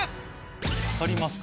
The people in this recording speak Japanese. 分かりますか？